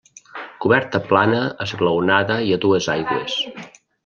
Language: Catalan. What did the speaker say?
Coberta plana esglaonada i a dues aigües.